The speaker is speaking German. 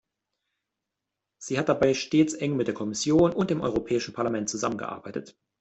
Sie hat dabei stets eng mit der Kommission und dem Europäischen Parlament zusammengearbeitet.